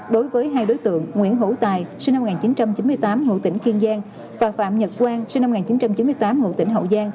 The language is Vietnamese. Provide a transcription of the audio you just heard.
đối với hai đối tượng nguyễn hữu tài và phạm nhật quang